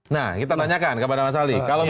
nah kita tanyakan kepada mas ali